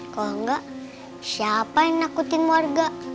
kalau enggak siapa yang nakutin warga